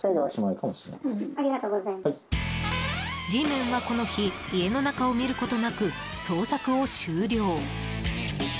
Ｇメンはこの日家の中を見ることなく捜索を終了。